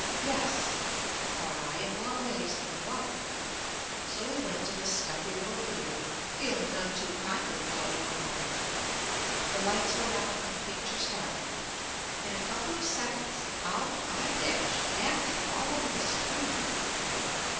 "Yes," thought I, "in more ways than one." So we went to this stuffy little theatre, feeling none ; JUST ME too kindly toward one another. The lights went out and the picture started. In a couple of seconds out I dashed, acting all over the screen.